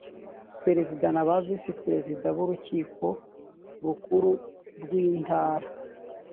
Perezida na ba Visi Perezida b Urukiko Rukuru rw Intara